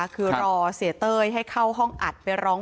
เพลงที่สุดท้ายเสียเต้ยมาเสียชีวิตค่ะ